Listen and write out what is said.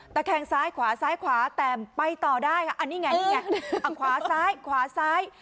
แข่งซ้ายขวาซ้ายขวาแต่ไปต่อได้ค่ะอันนี้ไงนี่ไงขวาซ้ายขวาซ้าย